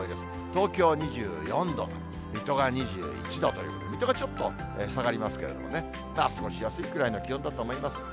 東京２４度、水戸が２１度ということで、水戸がちょっと下がりますけれどもね、ただ、過ごしやすいくらいの気温だと思います。